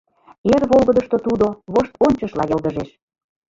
Эр волгыдышто тудо воштончышла йылгыжеш.